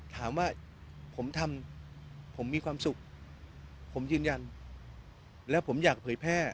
ถามว่าผมทำผมมีความสุขผมยืนยันแล้วผมอยากเผยแพร่